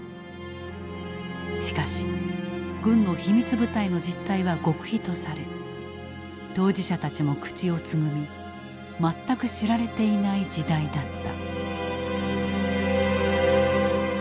しかし軍の秘密部隊の実態は極秘とされ当事者たちも口をつぐみ全く知られていない時代だった。